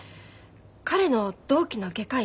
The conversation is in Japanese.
彼の同期の外科医。